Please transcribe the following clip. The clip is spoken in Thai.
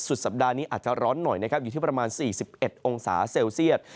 สัปดาห์นี้อาจจะร้อนหน่อยนะครับอยู่ที่ประมาณ๔๑องศาเซลเซียต